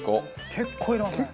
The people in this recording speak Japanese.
結構入れますね。